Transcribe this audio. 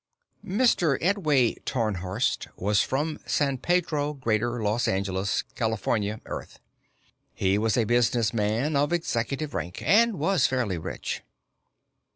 Mr. Edway Tarnhorst was from San Pedro, Greater Los Angeles, California, Earth. He was a businessman of executive rank, and was fairly rich.